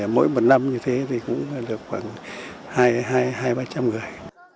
mỗi một năm như thế cũng được khoảng hai ba trăm người